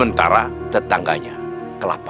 bisa balain wiel